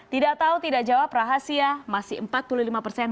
tidak tahu tidak jawab rahasia masih empat puluh lima persen